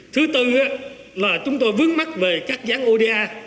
thứ tư là chúng tôi vướng mắt về các dán oda